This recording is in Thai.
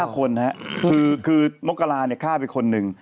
๕คนครับคือโมกราศฆ่าเป็นคนหนึ่ง